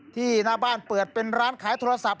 หน้าบ้านเปิดเป็นร้านขายโทรศัพท์